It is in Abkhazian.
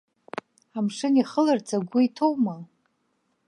Амшын ихыларц агәы иҭоума?